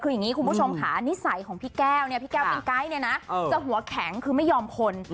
คืออย่างนี้คุณผู้ชมค่ะนิสัยของพี่แก้วเนี่ยพี่แก้วเป็นไก๊เนี่ยนะจะหัวแข็งคือไม่ยอมคน